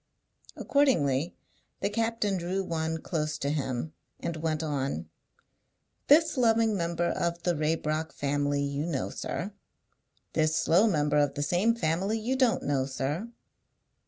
Accordingly the captain drew one close to him, and went on: "This loving member of the Raybrock family you know, sir. This slow member of the same family you don't know, sir.